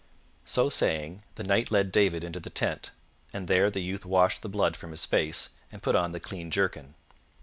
So saying, the Knight led David into the tent, and there the youth washed the blood from his face and put on the clean jerkin.